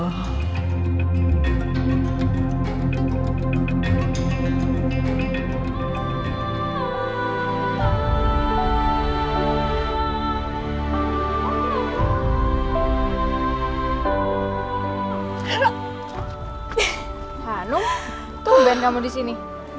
hanu tuh band kamu di sini